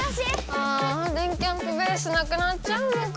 ああ電キャんぷベースなくなっちゃうのかぁ。